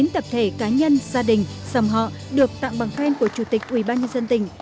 chín tập thể cá nhân gia đình dòng họ được tặng bằng khen của chủ tịch ubnd tỉnh